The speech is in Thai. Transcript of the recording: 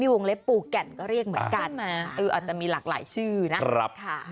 วงเล็บปูแก่นก็เรียกเหมือนกันอาจจะมีหลากหลายชื่อนะครับ